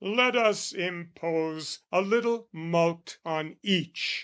"Let us impose a little mulct on each.